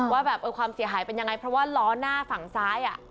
ว่าแบบความเสียหายเป็นยังไงเพราะว่าล้อหน้าฝั่งซ้าย